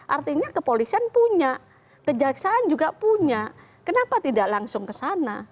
artinya kepolisian punya kejaksaan juga punya kenapa tidak langsung ke sana